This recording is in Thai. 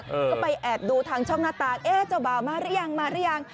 ก็ไปแอบดูทางช่องหน้าต่างเอ๊ะเจ้าบ่าวมาหรือยังมาหรือยัง